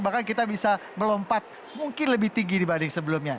bahkan kita bisa melompat mungkin lebih tinggi dibanding sebelumnya